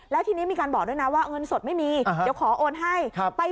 แล้วทีนี้มีการบอกด้วยนะว่าเงินสดไม่มีเดี๋ยวขอโอนให้